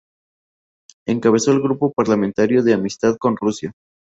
Encabezó el Grupo Parlamentario de Amistad con Rusia.